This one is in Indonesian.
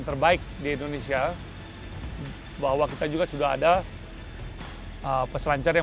kita tuh sudah betul betul dilihat di dunia bahwa kita tuh bukan hanya berusaha untuk berusaha